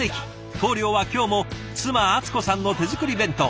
棟梁は今日も妻・あつこさんの手作り弁当。